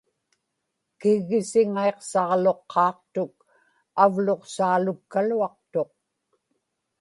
kiggisiŋaiqsaġluqqaaqtuk, avluqsaalukkaluaqtuq